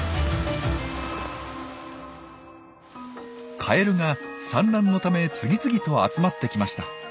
カエルが産卵のため次々と集まってきました。